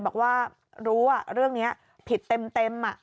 บอกว่ารู้อ่ะเรื่องเนี้ยผิดเต็มอ่ะ